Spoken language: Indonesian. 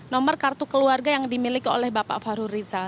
nomor kartu keluarga yang dimiliki oleh bapak fahru rizal